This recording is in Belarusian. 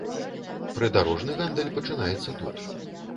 Прыдарожны гандаль пачынаецца тут.